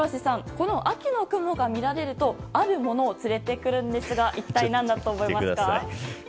この秋の雲が見られるとあるものを連れてくるんですが一体何だと思いますか？